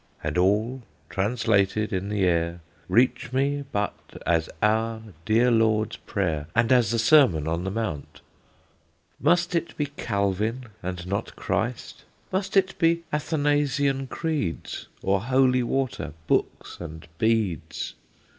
And all, translated in the air, Reach me but as our dear Lord's Prayer, And as the Sermon on the Mount. "Must it be Calvin, and not Christ? Must it be Athanasian creeds, Or holy water, books, and beads?